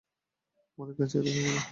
আমাদের কাছে এতো সময় নেই।